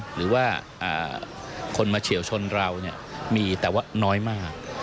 หรือว่าคนมาเฉียวชนเรามีแต่ว่าน้อยมาก